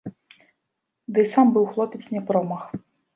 Ды і сам быў хлопец не промах.